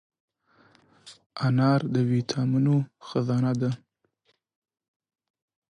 انار د ویټامینونو خزانه ده.